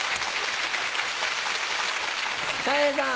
たい平さん。